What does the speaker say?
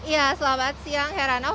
ya selamat siang heranov